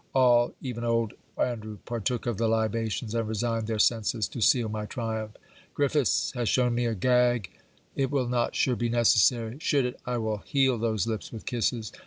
All, even old Andrew, partook of the libations; and resigned their senses, to seal my triumph. Griffiths has shown me a gagg. It will not sure be necessary. Should it, I will heal those lips with kisses!